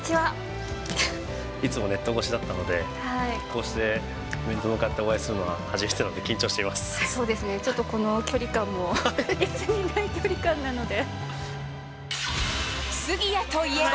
いつもネット越しだったので、こうして面と向かってお会いするのは、初めてなので緊張していまそうですね、ちょっとこの距離感も、杉谷といえば。